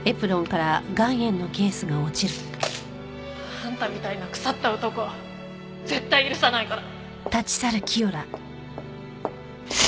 あんたみたいな腐った男絶対許さないから！